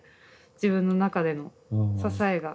自分の中での支えが。